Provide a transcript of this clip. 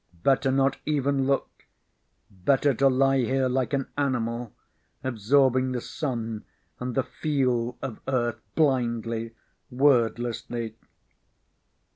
Better not even look; better to lie here like an animal, absorbing the sun and the feel of Earth blindly, wordlessly.